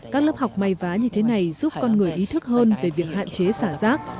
các lớp học may vá như thế này giúp con người ý thức hơn về việc hạn chế xả rác